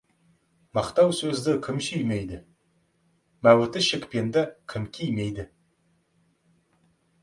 Мақтау сөзді кім сүймейді, мәуіті шекпенді кім кимейді.